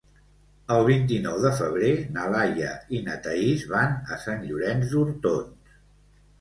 El vint-i-nou de febrer na Laia i na Thaís van a Sant Llorenç d'Hortons.